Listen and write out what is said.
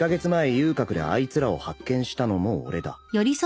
遊郭であいつらを発見したのも俺だ